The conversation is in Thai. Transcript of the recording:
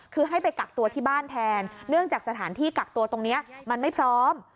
คือให้ไปกักตัวที่บ้านแทนเนื่องจากสถานที่กักตัวตรงนี้มันไม่พร้อม